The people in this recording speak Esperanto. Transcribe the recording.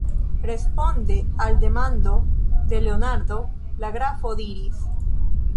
Responde al demando de Leonardo, la grafo diris: